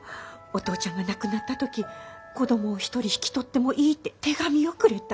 お父ちゃんが亡くなった時子供を１人引き取ってもいいって手紙をくれた。